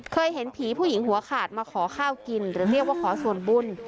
เคยเห็นผีผู้หญิงหัวขาดมาขอข้าวกินหรือเรียกว่าขอส่วนบุญ